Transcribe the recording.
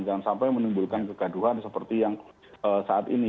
jangan sampai menimbulkan kegaduhan seperti yang saat ini